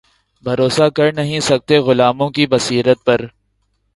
بھروسا کر نہیں سکتے غلاموں کی بصیرت پر